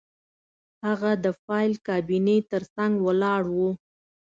هغه د فایل کابینې ترڅنګ ولاړ و